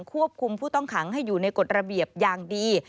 ควบคุมผู้ต้องขังให้อยู่ในกฎระเบียบอย่างดี